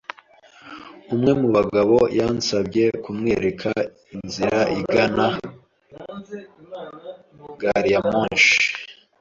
Umwe mu bagabo yansabye kumwereka inzira igana gariyamoshi.